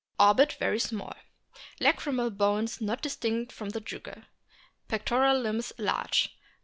Orbit very small. Lacrymal bones not distinct from the jugal. Pectoral limbs large.